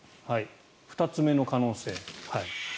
２つ目の可能性